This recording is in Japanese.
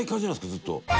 ずっと。